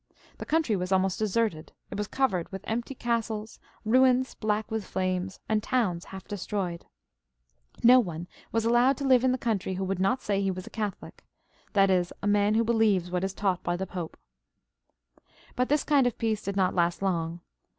The country was almost deserted ; it was covered with empty castles, ruins black with flames, and towns half destroyed. No one was allowed to live in the country who would not say 106 PHILIP IL (AUGUSTE). [CH. ^^^^ he was a CathoKc, that is a man who beKeves what is taught by the Pope. But this kind of peace did not last long.